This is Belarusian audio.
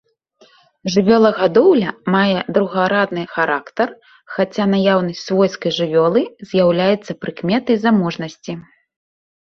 Жывёлагадоўля мае другарадны характар, хаця наяўнасць свойскай жывёлы з'яўляецца прыкметай заможнасці.